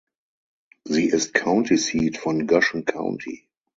Sie ist County Seat von Goshen County.